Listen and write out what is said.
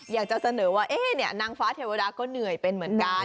อยากจะเสนอว่านางฟ้าเทวดาก็เหนื่อยเป็นเหมือนกัน